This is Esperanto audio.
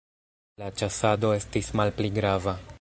La ĉasado estis malpli grava.